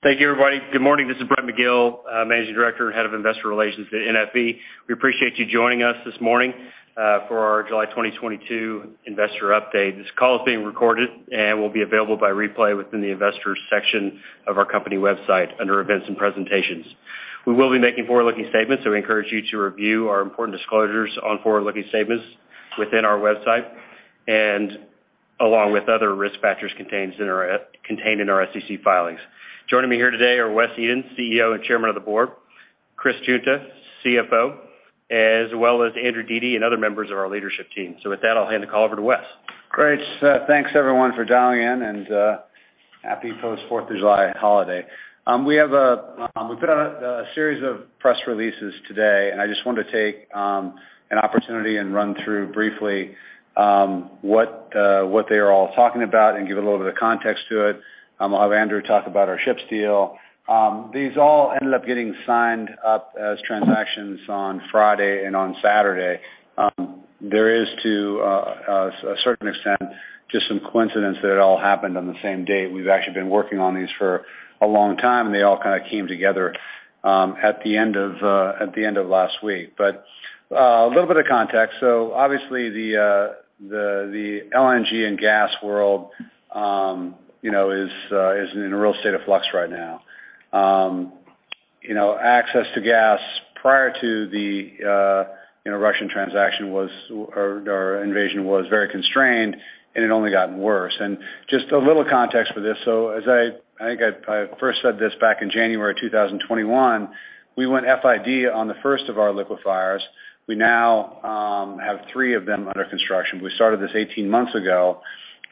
Thank you, everybody. Good morning. This is Brett Magill, Managing Director and Head of Investor Relations at NFE. We appreciate you joining us this morning for our July 2022 investor update. This call is being recorded and will be available by replay within the investors' section of our company website under Events and Presentations. We will be making forward-looking statements, so we encourage you to review our important disclosures on forward-looking statements within our website and along with other risk factors contained in our SEC filings. Joining me here today are Wes Edens, CEO and Chairman of the Board; Chris Guinta, CFO; as well as Andrew Dete and other members of our leadership team. So with that, I'll hand the call over to Wes. Great. Thanks, everyone, for dialing in and happy post-4th of July holiday. We put out a series of press releases today, and I just wanted to take an opportunity and run through briefly what they are all talking about and give a little bit of context to it. I'll have Andrew talk about our ships deal. These all ended up getting signed up as transactions on Friday and on Saturday. There is, to a certain extent, just some coincidence that it all happened on the same date. We've actually been working on these for a long time, and they all kind of came together at the end of last week. But a little bit of context. So obviously, the LNG and gas world is in a real state of flux right now. Access to gas prior to the Russian invasion was very constrained, and it only got worse. Just a little context for this. I think I first said this back in January 2021. We went FID on the first of our liquefiers. We now have three of them under construction. We started this 18 months ago.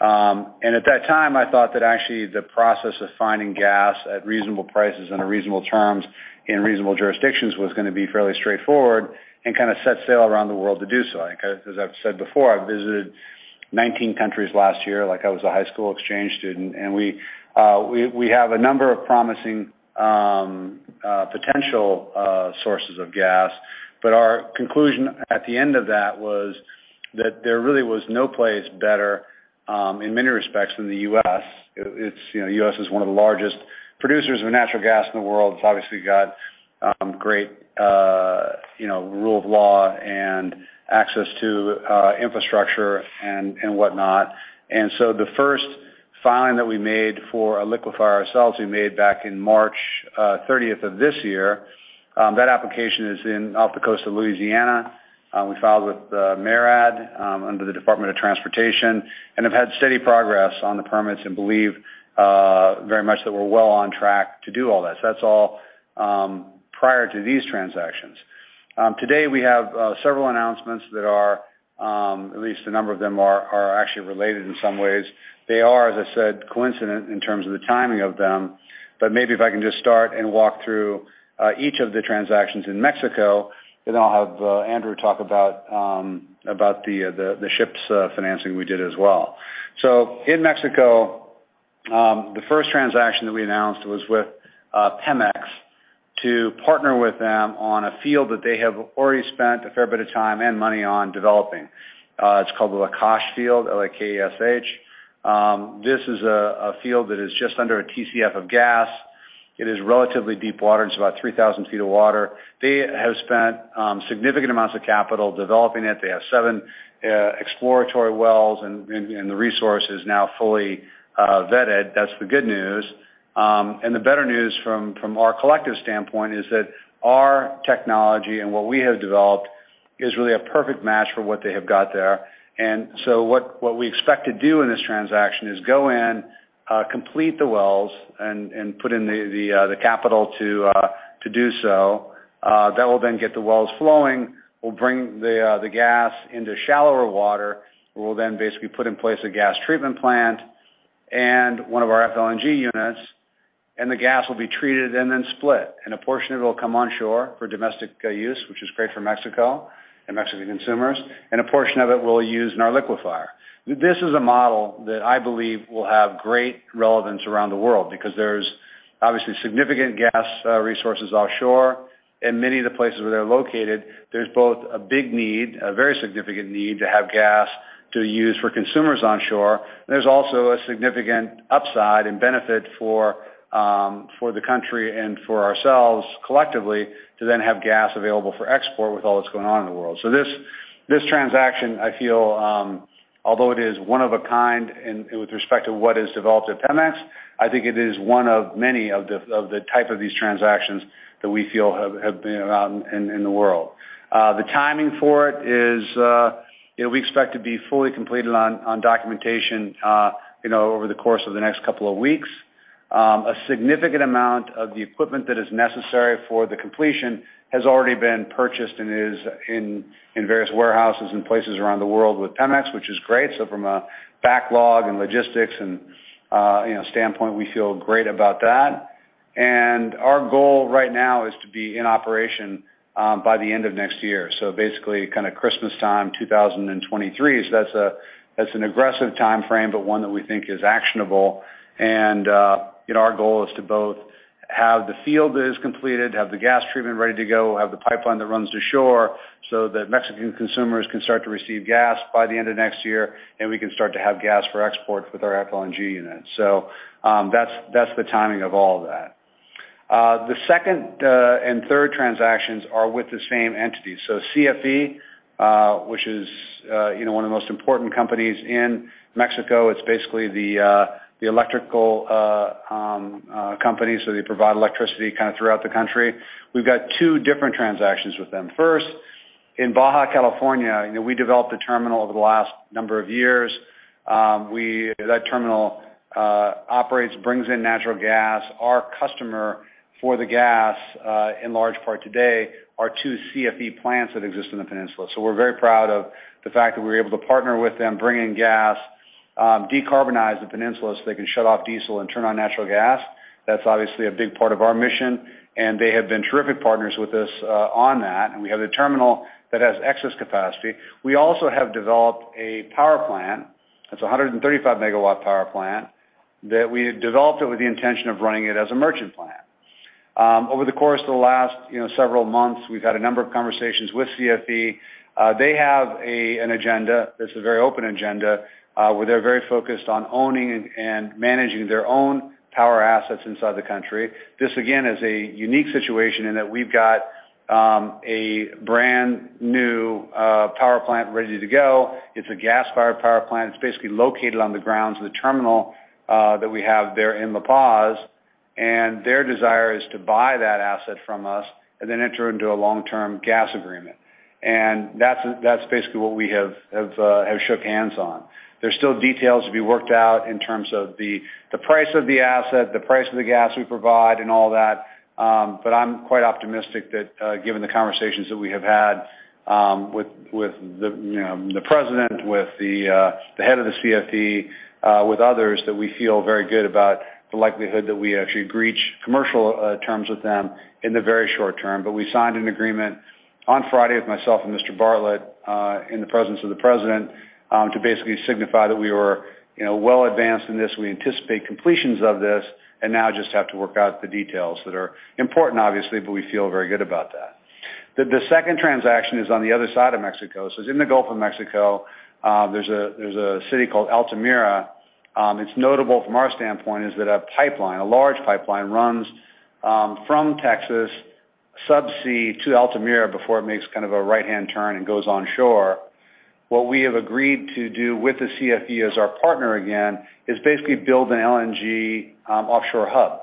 At that time, I thought that actually the process of finding gas at reasonable prices and at reasonable terms in reasonable jurisdictions was going to be fairly straightforward and kind of set sail around the world to do so. As I've said before, I visited 19 countries last year. I was a high school exchange student. We have a number of promising potential sources of gas. Our conclusion at the end of that was that there really was no place better in many respects than the U.S. The U.S. is one of the largest producers of natural gas in the world. It's obviously got great rule of law and access to infrastructure and whatnot, and so the first filing that we made for a liquefier ourselves, we made back in March 30th of this year. That application is off the coast of Louisiana. We filed with MARAD under the Department of Transportation and have had steady progress on the permits and believe very much that we're well on track to do all that, so that's all prior to these transactions. Today, we have several announcements that are, at least a number of them are actually related in some ways. They are, as I said, coincident in terms of the timing of them, but maybe if I can just start and walk through each of the transactions in Mexico, and then I'll have Andrew talk about the ships financing we did as well. So in Mexico, the first transaction that we announced was with Pemex to partner with them on a field that they have already spent a fair bit of time and money on developing. It's called the Lakach field, L-A-K-A-C-H. This is a field that is just under a TCF of gas. It is relatively deep water. It's about 3,000 feet of water. They have spent significant amounts of capital developing it. They have seven exploratory wells, and the resource is now fully vetted. That's the good news. And the better news from our collective standpoint is that our technology and what we have developed is really a perfect match for what they have got there. And so what we expect to do in this transaction is go in, complete the wells, and put in the capital to do so. That will then get the wells flowing. We'll bring the gas into shallower water. We'll then basically put in place a gas treatment plant and one of our FLNG units, and the gas will be treated and then split, and a portion of it will come onshore for domestic use, which is great for Mexico and Mexican consumers, and a portion of it we'll use in our liquefier. This is a model that I believe will have great relevance around the world because there's obviously significant gas resources offshore. In many of the places where they're located, there's both a big need, a very significant need to have gas to use for consumers onshore. There's also a significant upside and benefit for the country and for ourselves collectively to then have gas available for export with all that's going on in the world. This transaction, I feel, although it is one of a kind with respect to what is developed at Pemex, I think it is one of many of the type of these transactions that we feel have been around in the world. The timing for it is we expect to be fully completed on documentation over the course of the next couple of weeks. A significant amount of the equipment that is necessary for the completion has already been purchased and is in various warehouses and places around the world with Pemex, which is great. From a backlog and logistics standpoint, we feel great about that. Our goal right now is to be in operation by the end of next year. Basically kind of Christmas time, 2023. That's an aggressive timeframe, but one that we think is actionable. And our goal is to both have the field that is completed, have the gas treatment ready to go, have the pipeline that runs to shore so that Mexican consumers can start to receive gas by the end of next year, and we can start to have gas for export with our FLNG units. so that's the timing of all of that. The second and third transactions are with the same entity. so CFE, which is one of the most important companies in Mexico. It's basically the electrical company. so they provide electricity kind of throughout the country. We've got two different transactions with them. First, in Baja California, we developed a terminal over the last number of years. That terminal operates, brings in natural gas. Our customer for the gas, in large part today, are two CFE plants that exist on the peninsula. So we're very proud of the fact that we were able to partner with them, bring in gas, decarbonize the peninsula so they can shut off diesel and turn on natural gas. That's obviously a big part of our mission. And they have been terrific partners with us on that. And we have a terminal that has excess capacity. We also have developed a power plant. It's a 135 MW power plant that we developed with the intention of running it as a merchant plant. Over the course of the last several months, we've had a number of conversations with CFE. They have an agenda that's a very open agenda where they're very focused on owning and managing their own power assets inside the country. This, again, is a unique situation in that we've got a brand new power plant ready to go. It's a gas-fired power plant. It's basically located on the grounds of the terminal that we have there in La Paz. And their desire is to buy that asset from us and then enter into a long-term gas agreement. And that's basically what we have shook hands on. There's still details to be worked out in terms of the price of the asset, the price of the gas we provide, and all that. But I'm quite optimistic that given the conversations that we have had with the president, with the head of the CFE, with others, that we feel very good about the likelihood that we actually reach commercial terms with them in the very short term. But we signed an agreement on Friday with myself and Mr. Bartlett in the presence of the president to basically signify that we were well advanced in this. We anticipate completions of this and now just have to work out the details that are important, obviously, but we feel very good about that. The second transaction is on the other side of Mexico, so it's in the Gulf of Mexico. There's a city called Altamira. It's notable from our standpoint that a pipeline, a large pipeline, runs from Texas subsea to Altamira before it makes kind of a right-hand turn and goes onshore. What we have agreed to do with the CFE as our partner again is basically build an LNG offshore hub,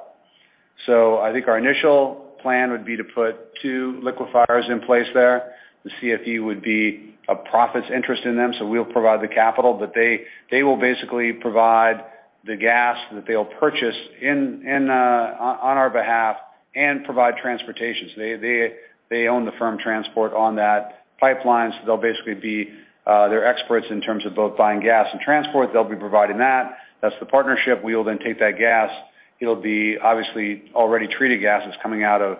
so I think our initial plan would be to put two liquefiers in place there. The CFE would be a profits interest in them, so we'll provide the capital. But they will basically provide the gas that they'll purchase on our behalf and provide transportation, so they own the firm transport on that pipeline. So they'll basically be their experts in terms of both buying gas and transport. They'll be providing that. That's the partnership. We will then take that gas. It'll be obviously already treated gas that's coming out of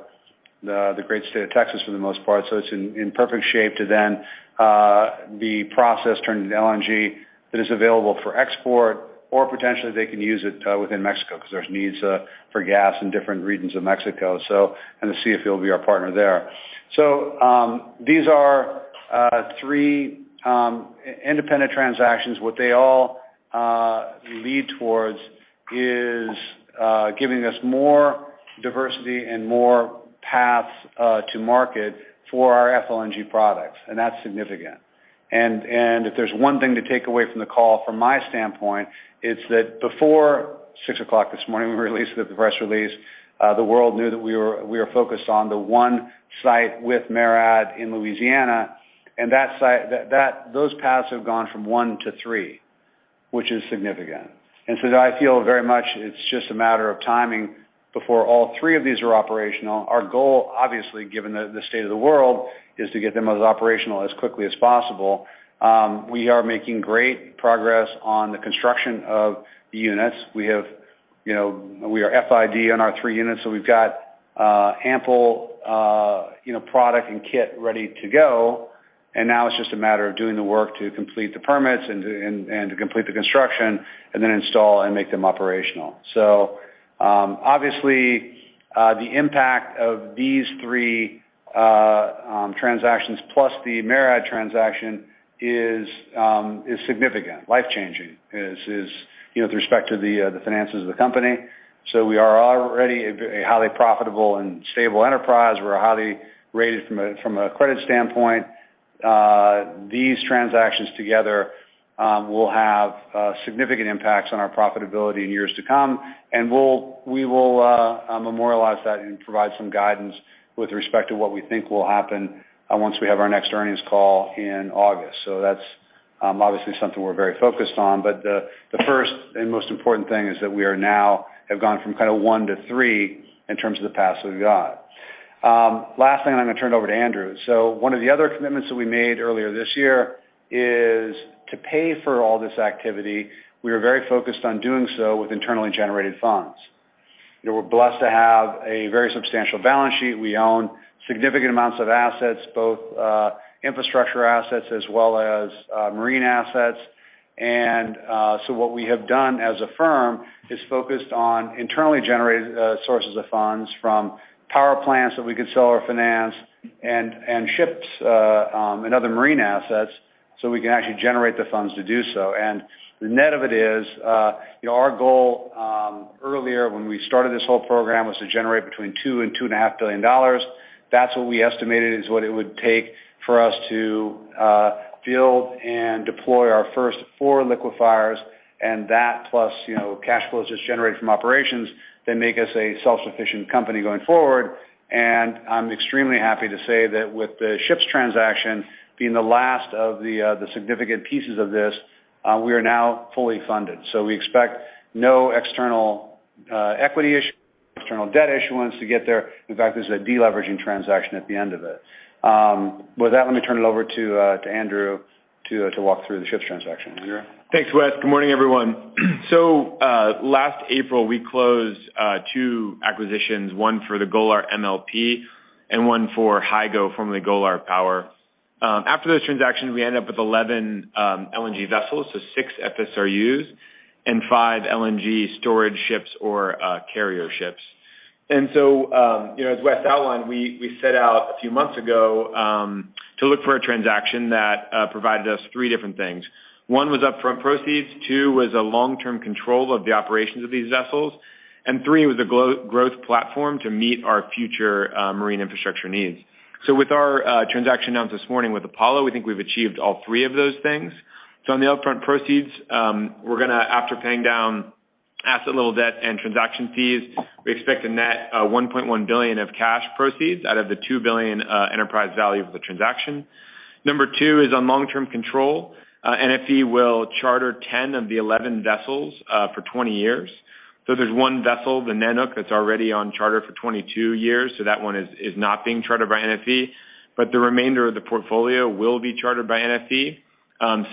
the great state of Texas for the most part. So it's in perfect shape to then be processed, turned into LNG that is available for export, or potentially they can use it within Mexico because there's needs for gas in different regions of Mexico. And the CFE will be our partner there. So these are three independent transactions. What they all lead towards is giving us more diversity and more paths to market for our FLNG products. And that's significant. And if there's one thing to take away from the call, from my standpoint, it's that before six o'clock this morning, we released the press release. The world knew that we were focused on the one site with MARAD in Louisiana, and those paths have gone from one to three, which is significant, and so I feel very much it's just a matter of timing before all three of these are operational. Our goal, obviously, given the state of the world, is to get them operational as quickly as possible. We are making great progress on the construction of the units. We are FID on our three units. We've got ample product and kit ready to go, and now it's just a matter of doing the work to complete the permits and to complete the construction and then install and make them operational. So obviously, the impact of these three transactions plus the MARAD transaction is significant, life-changing with respect to the finances of the company. We are already a highly profitable and stable enterprise. We're highly rated from a credit standpoint. These transactions together will have significant impacts on our profitability in years to come. And we will memorialize that and provide some guidance with respect to what we think will happen once we have our next earnings call in August. So that's obviously something we're very focused on. But the first and most important thing is that we have now gone from kind of one to three in terms of the paths we've got. Last thing, and I'm going to turn it over to Andrew. So one of the other commitments that we made earlier this year is to pay for all this activity. We are very focused on doing so with internally generated funds. We're blessed to have a very substantial balance sheet. We own significant amounts of assets, both infrastructure assets as well as marine assets. And so what we have done as a firm is focused on internally generated sources of funds from power plants that we could sell or finance and ships and other marine assets so we can actually generate the funds to do so. And the net of it is our goal earlier when we started this whole program was to generate between $2 billion and $2.5 billion. That's what we estimated is what it would take for us to build and deploy our first four liquefiers. And that plus cash flows just generated from operations that make us a self-sufficient company going forward. And I'm extremely happy to say that with the ships transaction being the last of the significant pieces of this, we are now fully funded. We expect no external equity issue, external debt issuance to get there. In fact, this is a deleveraging transaction at the end of it. With that, let me turn it over to Andrew to walk through the ships transaction. Thanks, Wes. Good morning, everyone. Last April, we closed two acquisitions, one for the Golar MLP and one for Hygo, formerly Golar Power. After those transactions, we ended up with 11 LNG vessels, so six FSRUs and five LNG storage ships or carrier ships. And as Wes outlined, we set out a few months ago to look for a transaction that provided us three different things. One was upfront proceeds. Two was a long-term control of the operations of these vessels. And three was a growth platform to meet our future marine infrastructure needs. So with our transaction announced this morning with Apollo, we think we've achieved all three of those things. So on the upfront proceeds, we're going to, after paying down asset level debt and transaction fees, we expect a net $1.1 billion of cash proceeds out of the $2 billion enterprise value of the transaction. Number two is on long-term control. NFE will charter 10 of the 11 vessels for 20 years. So there's one vessel, the Nanook, that's already on charter for 22 years. So that one is not being chartered by NFE. But the remainder of the portfolio will be chartered by NFE.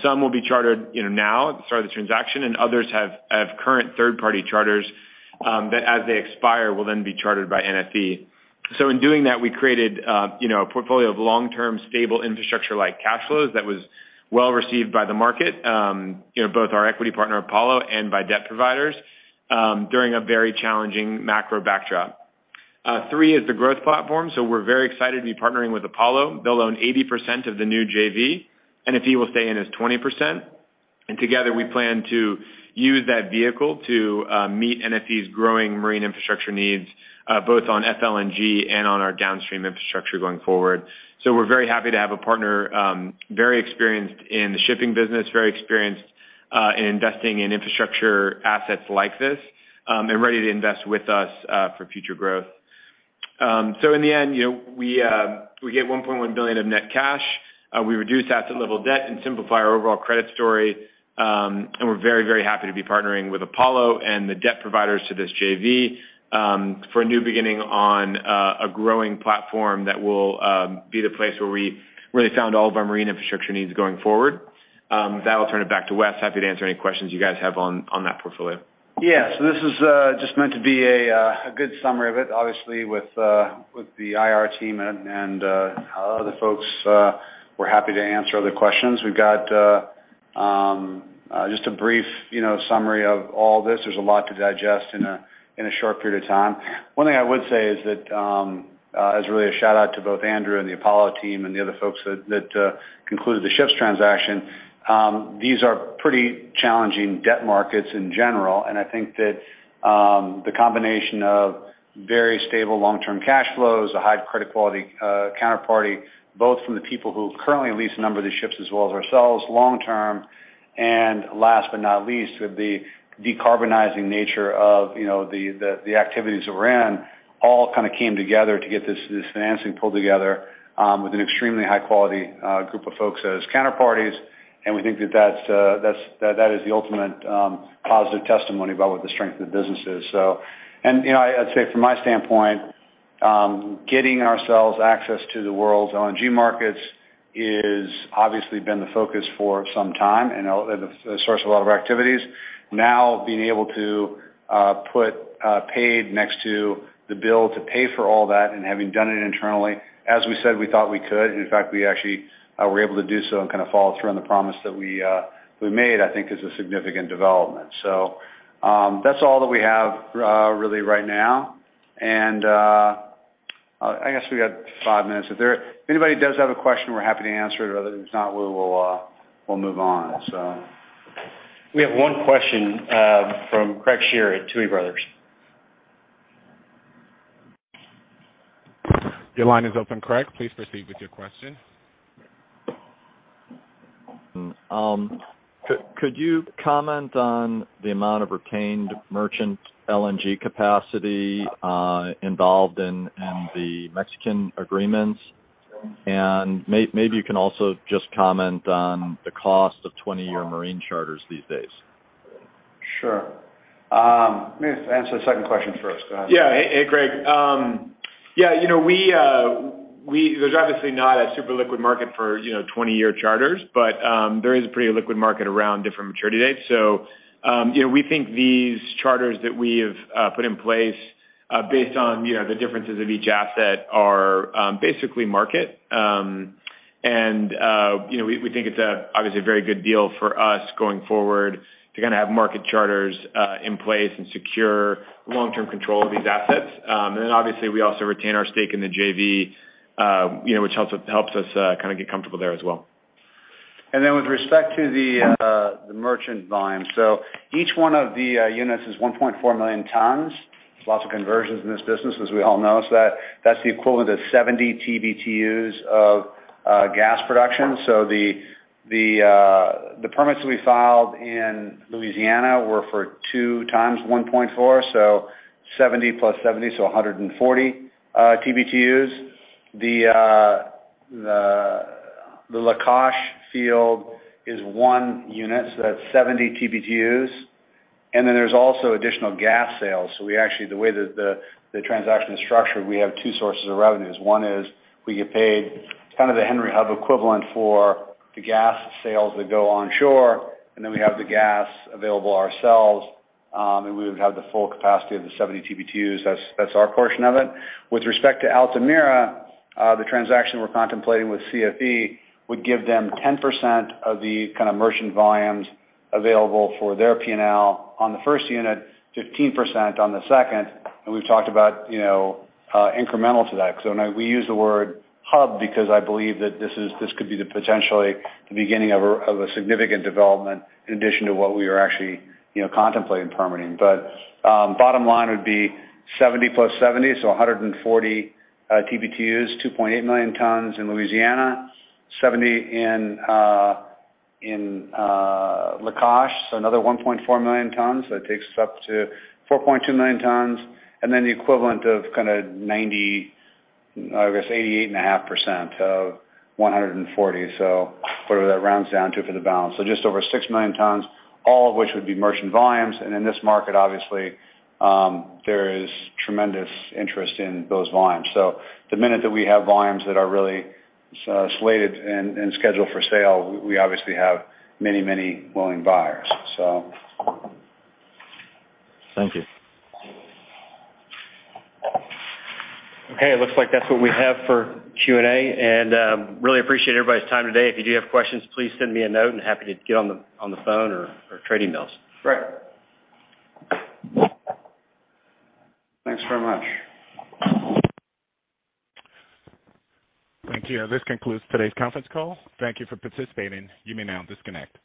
Some will be chartered now at the start of the transaction, and others have current third-party charters that, as they expire, will then be chartered by NFE. So in doing that, we created a portfolio of long-term stable infrastructure-like cash flows that was well received by the market, both our equity partner, Apollo, and by debt providers during a very challenging macro backdrop. Three is the growth platform. So we're very excited to be partnering with Apollo. They'll own 80% of the new JV. NFE will stay in as 20%. And together, we plan to use that vehicle to meet NFE's growing marine infrastructure needs, both on FLNG and on our downstream infrastructure going forward. So we're very happy to have a partner very experienced in the shipping business, very experienced in investing in infrastructure assets like this, and ready to invest with us for future growth. So in the end, we get $1.1 billion of net cash. We reduce asset level debt and simplify our overall credit story. We're very, very happy to be partnering with Apollo and the debt providers to this JV for a new beginning on a growing platform that will be the place where we really fund all of our marine infrastructure needs going forward. That'll turn it back to Wes. Happy to answer any questions you guys have on that portfolio. Yeah. So this is just meant to be a good summary of it, obviously, with the IR team and other folks. We're happy to answer other questions. We've got just a brief summary of all this. There's a lot to digest in a short period of time. One thing I would say is that, as really a shout-out to both Andrew and the Apollo team and the other folks that concluded the ships transaction, these are pretty challenging debt markets in general. I think that the combination of very stable long-term cash flows, a high credit quality counterparty, both from the people who currently lease a number of the ships as well as ourselves, long-term, and last but not least, with the decarbonizing nature of the activities that we're in, all kind of came together to get this financing pulled together with an extremely high-quality group of folks as counterparties. We think that that is the ultimate positive testimony about what the strength of the business is. I'd say from my standpoint, getting ourselves access to the world's LNG markets has obviously been the focus for some time and the source of a lot of our activities. Now, being able to put paid next to the bill to pay for all that and having done it internally, as we said, we thought we could. In fact, we actually were able to do so and kind of follow through on the promise that we made, I think, is a significant development. So that's all that we have really right now, and I guess we got five minutes. If anybody does have a question, we're happy to answer it. If not, we'll move on, so. We have one question from Craig Shere at Tuohy Brothers. Your line is open, Craig. Please proceed with your question. Could you comment on the amount of retained merchant LNG capacity involved in the Mexican agreements? And maybe you can also just comment on the cost of 20-year marine charters these days. Sure. Let me answer the second question first. Go ahead. Yeah. Hey, Craig. Yeah. There's obviously not a super liquid market for 20-year charters, but there is a pretty liquid market around different maturity dates. We think these charters that we have put in place based on the differences of each asset are basically market. We think it's obviously a very good deal for us going forward to kind of have market charters in place and secure long-term control of these assets. We also retain our stake in the JV, which helps us kind of get comfortable there as well. With respect to the merchant volume, each one of the units is 1.4 million tons. There's lots of conversions in this business, as we all know. That's the equivalent of 70 TBtus of gas production. The permits that we filed in Louisiana were for 2x, 1.4 million. So 70 plus 70, so 140 TBtus. The Lakach field is one unit. That's 70 TBtus. There's also additional gas sales. The way that the transaction is structured, we have two sources of revenues. One is we get paid kind of the Henry Hub equivalent for the gas sales that go onshore. And then we have the gas available ourselves. And we would have the full capacity of the 70 TBtus. That's our portion of it. With respect to Altamira, the transaction we're contemplating with CFE would give them 10% of the kind of merchant volumes available for their P&L on the first unit, 15% on the second. And we've talked about incremental to that. We use the word hub because I believe that this could be potentially the beginning of a significant development in addition to what we are actually contemplating permitting. But bottom line would be 70 plus 70, so 140 TBtus, 2.8 million tons in Louisiana, 70 in Lakach, so another 1.4 million tons. That takes us up to 4.2 million tons, and then the equivalent of kind of 90%, I guess 88.5% of 140. So whatever that rounds down to for the balance, so just over 6 million tons, all of which would be merchant volumes. And in this market, obviously, there is tremendous interest in those volumes, so the minute that we have volumes that are really slated and scheduled for sale, we obviously have many, many willing buyers, so. Thank you. Okay. It looks like that's what we have for Q&A, and really appreciate everybody's time today. If you do have questions, please send me a note, and happy to get on the phone or trade emails. Great. Thanks very much. Thank you. This concludes today's conference call. Thank you for participating. You may now disconnect.